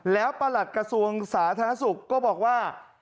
แล้วประหลัดกระทรวงสาธารณสุขก็บอกว่า